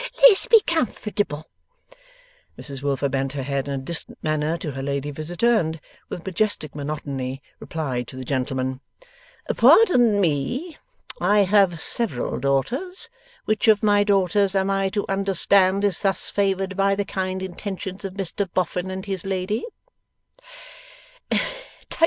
Let's be comfortable.' Mrs Wilfer bent her head in a distant manner to her lady visitor, and with majestic monotony replied to the gentleman: 'Pardon me. I have several daughters. Which of my daughters am I to understand is thus favoured by the kind intentions of Mr Boffin and his lady?